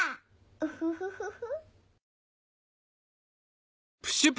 ウフフフフ。